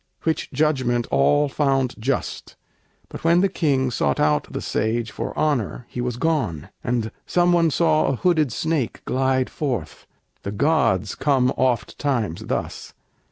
Which judgment all found just; but when the King Sought out the sage for honor, he was gone; And some one saw a hooded snake glide forth. The gods come oft times thus!